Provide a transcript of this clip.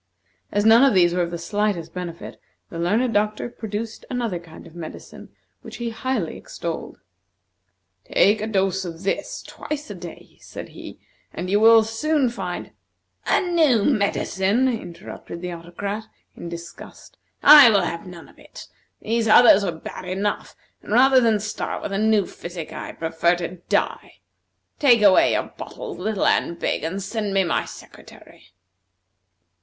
As none of these were of the slightest benefit, the learned doctor produced another kind of medicine which he highly extolled. "Take a dose of this twice a day," said he, "and you will soon find " "A new medicine?" interrupted the Autocrat, in disgust. "I will have none of it! These others were bad enough, and rather than start with a new physic, I prefer to die. Take away your bottles, little and big, and send me my secretary."